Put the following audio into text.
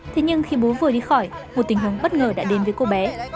thế nhưng khi bố vừa đi khỏi một tình huống bất ngờ đã đến với cô bé